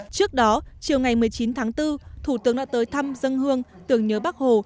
trước đó chiều ngày một mươi chín tháng bốn thủ tướng đã tới thăm dân hương tưởng nhớ bắc hồ